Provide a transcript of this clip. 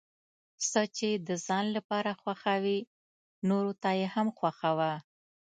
څه چې د ځان لپاره خوښوې نورو ته یې هم خوښوه.